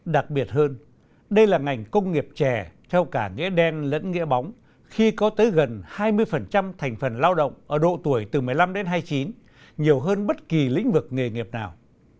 đặc biệt hơn đây là ngành công nghiệp trẻ theo cả nghĩa đen lẫn nghĩa bóng khi có tới gần hai mươi thành phần lao động ở độ tuổi từ một mươi năm đến hai mươi chín nhiều hơn bất kỳ lĩnh vực nghề nghiệp nào